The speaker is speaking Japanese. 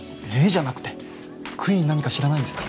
じゃなくてクイーン何か知らないんですか？